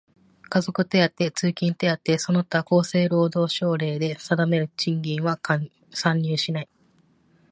家族手当、通勤手当その他厚生労働省令で定める賃金は算入しない。